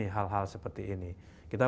hal hal seperti ini kita